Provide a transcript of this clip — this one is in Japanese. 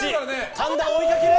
神田を追いかける！